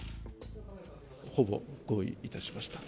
ほぼ合意いたしました。